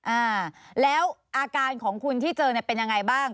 อ่าแล้วอาการของคุณที่เจอเนี่ยเป็นยังไงบ้าง